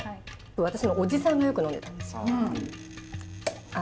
私の叔父さんがよく呑んでたんですよ。